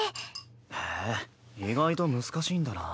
へえ意外と難しいんだな。